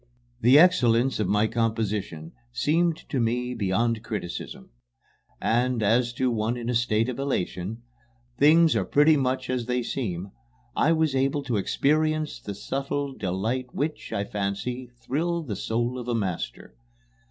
The excellence of my composition seemed to me beyond criticism. And, as to one in a state of elation, things are pretty much as they seem, I was able to experience the subtle delights which, I fancy, thrill the soul of a master.